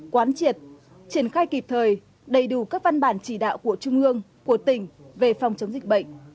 quán triệt triển khai kịp thời đầy đủ các văn bản chỉ đạo của trung ương của tỉnh về phòng chống dịch bệnh